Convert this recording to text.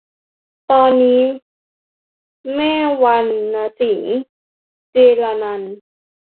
ตอนนี้ แม่วรรณสิงห์ จิรนันท์